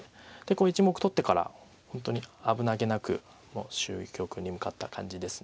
これ１目取ってから本当に危なげなく終局に向かった感じです。